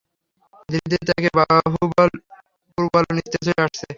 ধীরে ধীরে তাদের বাহুবল দুর্বল ও নিস্তেজ হয়ে আসছে।